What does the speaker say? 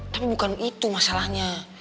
tapi bukan itu masalahnya